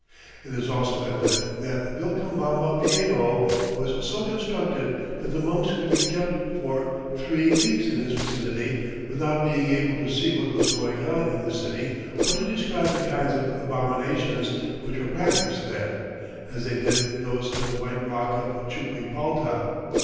It is also evident that "Vilcabamba Viejo" was so constructed that the monks could be kept for three weeks in its vicinity without being able to see what was going on in the city or to describe the kinds of "abominations" which were practiced there, as they did those at the white rock of Chuquipalta.